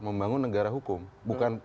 membangun negara hukum bukan